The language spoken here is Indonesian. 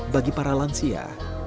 bagi para lansia